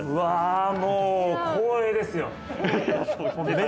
もう光栄ですよ！